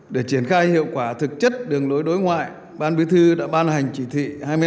để triển khai hiệu quả thực chất đường lối đối ngoại ban bí thư đã ban hành chỉ thị hai mươi năm